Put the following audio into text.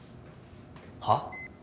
はっ？